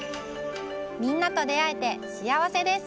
みんなとであえて幸せです。